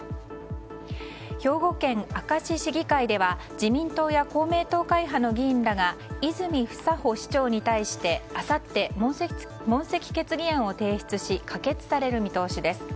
兵庫県明石市議会では自民党や公明党会派の議員らが泉房穂市長に対してあさって、問責決議案を提出し可決される見通しです。